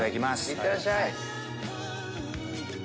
いってらっしゃい。